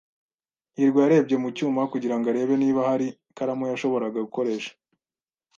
hirwa yarebye mu cyuma kugira ngo arebe niba hari ikaramu yashoboraga gukoresha.